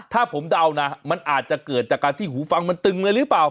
ถ้าผมเดานะมันอาจจะเกิดจากการที่หูฟังมันตึงเลยหรือเปล่า